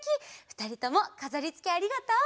ふたりともかざりつけありがとう！